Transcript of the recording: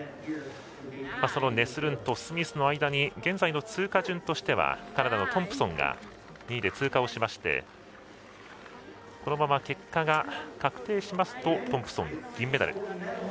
そのネスルント、スミスの間に現在の通過順としてはカナダのトンプソンが２位で通過をしましてこのまま結果が確定しますとトンプソン、銀メダル。